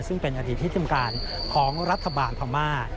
ซึ่งเป็นอดีตที่ทำการของรัฐบาลพม่า